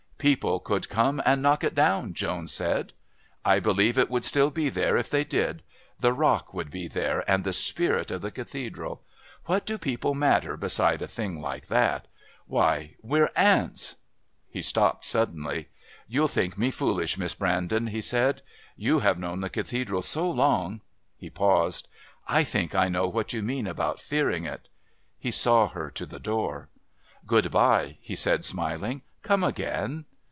"People could come and knock it down," Joan said. "I believe it would still be there if they did. The rock would be there and the spirit of the Cathedral.... What do people matter beside a thing like that? Why, we're ants...!" He stopped suddenly. "You'll think me foolish, Miss Brandon," he said. "You have known the Cathedral so long " He paused. "I think I know what you mean about fearing it " He saw her to the door. "Good bye," he said, smiling. "Come again."